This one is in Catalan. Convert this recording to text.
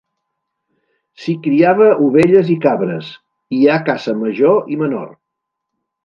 S'hi criava ovelles i cabres, hi ha caça major i menor.